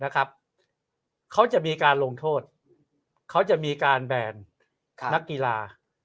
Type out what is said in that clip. เขาจะมีการลงโทษเขาจะมีการแบนนักกีฬา